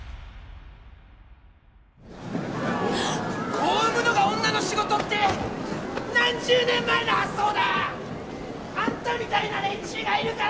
・子を産むのが女の仕事って何十年前の発想だ！あんたみたいな連中がいるから！